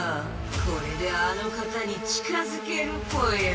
これであの方に近づけるぽよ！